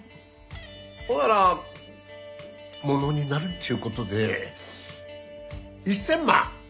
ほならものになるっちゅうことで１，０００万